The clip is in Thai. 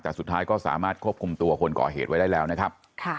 แต่สุดท้ายก็สามารถควบคุมตัวคนก่อเหตุไว้ได้แล้วนะครับ